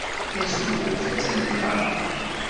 Tazewwut attan da.